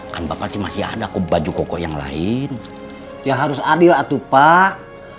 kan bakal masih ada ke baju kokoh yang lain ya harus adil atuh pak